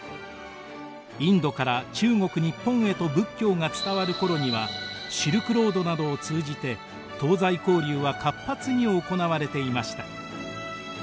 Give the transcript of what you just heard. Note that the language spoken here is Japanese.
インドから中国日本へと仏教が伝わる頃にはシルクロードなどを通じて東西交流は活発に行われていました。